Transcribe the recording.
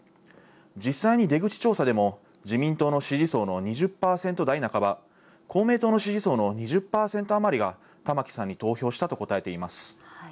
実際に出口調査でも自民党の支持層の２０％台半ば、公明党の支持層の２０％余りが、玉城さんに投票したと答えています。